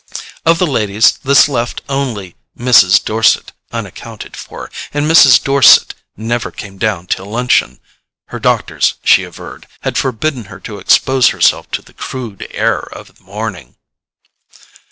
Of the ladies, this left only Mrs. Dorset unaccounted for, and Mrs. Dorset never came down till luncheon: her doctors, she averred, had forbidden her to expose herself to the crude air of the morning.